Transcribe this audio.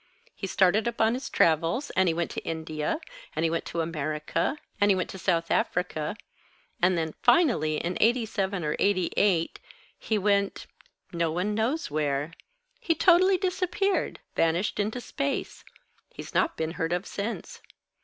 He started upon his travels, and he went to India, and he went to America, and he went to South Africa, and then, finally, in '87 or '88, he went no one knows where. He totally disappeared, vanished into space. He's not been heard of since.